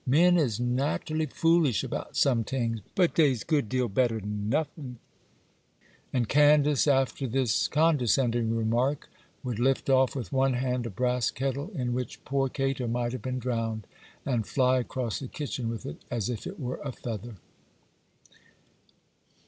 Men is nate'lly foolish about some tings,—but dey's good deal better'n nuffin.' And Candace, after this condescending remark, would lift off with one hand a brass kettle in which poor Cato might have been drowned, and fly across the kitchen with it as if it were a feather.